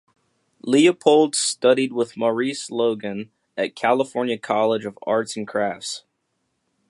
Leopold studied with Maurice Logan at California College of Arts and Crafts.